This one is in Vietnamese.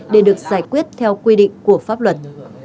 để được giải quyết theo quy định của pháp luật